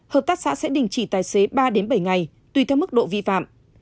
hợp tác xã sẽ đình trì tài xế ba đến bảy ngày tùy theo mức độ vi phạm